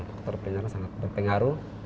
faktor penyinaran sangat berpengaruh